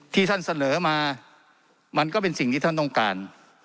ที่ท่านเสนอมามันก็เป็นสิ่งที่ท่านต้องการ